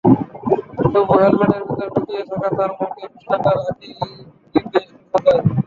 তবু হেলমেটের ভেতর লুকিয়ে থাকা তাঁর মুখে বিষণ্নতার আঁকিবুঁকি বেশ বোঝা যায়।